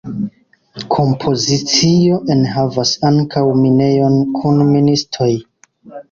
Kompozicio enhavas ankaŭ minejon kun ministoj.